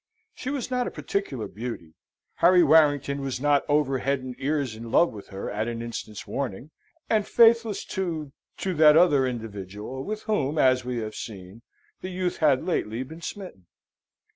She was not a particular beauty. Harry Warrington was not over head and ears in love with her at an instant's warning, and faithless to to that other individual with whom, as we have seen, the youth had lately been smitten.